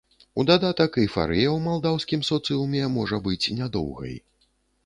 У дадатак, эйфарыя ў малдаўскім соцыуме можа быць нядоўгай.